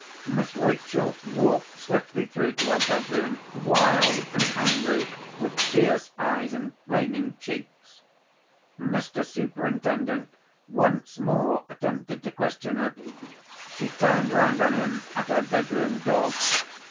Miss Rachel walked swiftly through to her bedroom, wild and angry, with fierce eyes and flaming cheeks. Mr. Superintendent once more attempted to question her. She turned round on him at her bedroom door.